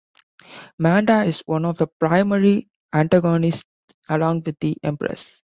Manda is one of the primary antagonists along with the Empress.